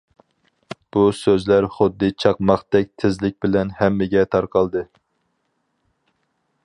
بۇ سۆزلەر خۇددى چاقماقتەك تېزلىك بىلەن ھەممىگە تارقالدى.